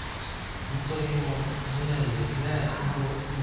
本当に無念ですね。